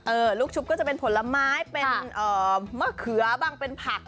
ลูกชุบก็จะเป็นผลไม้เป็นมะเขือบางเป็นผัก